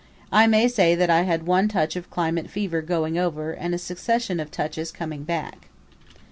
I may say that I had one touch of climate fever going over and a succession of touches coming back.